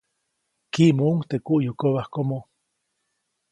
Kiʼmuʼuŋ teʼ kuʼyukobajkomo.